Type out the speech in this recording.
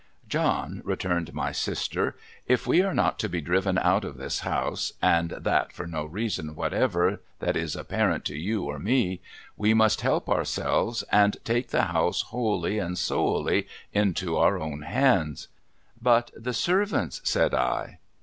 'John,' returned my sister, 'if we are not to be driven out of this house, and that for no reason whatever that is apparent to you or me, we must help ourselves and take the house wholly and solely into our own hands.' ' Uut, the servants,' said I.